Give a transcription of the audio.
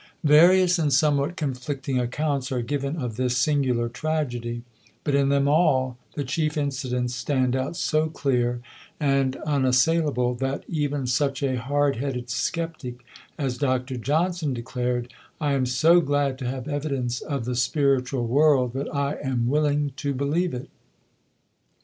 Various and somewhat conflicting accounts are given of this singular tragedy; but in them all the chief incidents stand out so clear and unassailable that even such a hard headed sceptic as Dr Johnson declared, "I am so glad to have evidence of the spiritual world that I am willing to believe it."